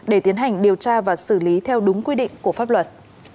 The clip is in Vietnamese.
để tiến hành điều tra và xử lý theo đúng quy định của pháp luật